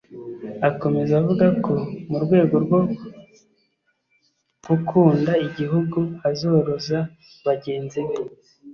Akomeza avuga ko mu rwego rwo gukunda igihugu azoroza bagenzi be